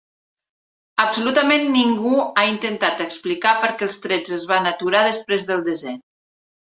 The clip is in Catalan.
Absolutament ningú ha intenta explicar er què els trets es van aturar després del desè.